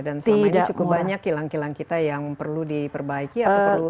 dan selama ini cukup banyak kilang kilang kita yang perlu diperbaiki atau perlu